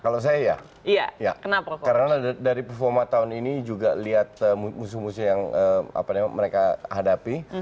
kalau saya ya karena dari performa tahun ini juga lihat musuh musuh yang mereka hadapi